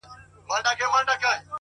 • همدغه لاره ده آسانه پر ما ښه لګیږي ,